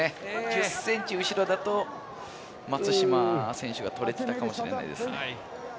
１０センチ後ろだと、松島選手が取れてたかもしれないですね。